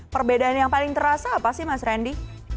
perbedaan yang paling terasa apa sih mas randy